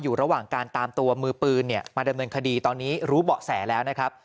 อยู่ระหว่างการตามตัวมือปืนเนี่ยมาดำเนินคดีตอนนี้รู้เบาะแสแล้วนะครับ